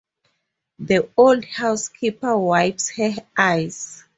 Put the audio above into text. The old housekeeper wipes her eyes.